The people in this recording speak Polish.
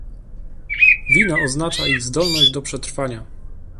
Wino oznacza ich zdolność do przetrwania